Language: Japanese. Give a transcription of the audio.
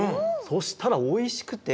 そしたらおいしくて！